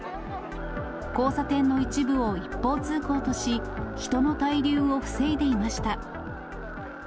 交差点の一部を一方通行とし、人の滞留を防いでいました。